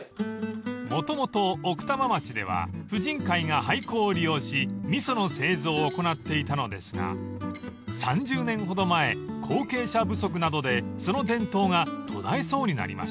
［もともと奥多摩町では婦人会が廃校を利用し味噌の製造を行っていたのですが３０年ほど前後継者不足などでその伝統が途絶えそうになりました］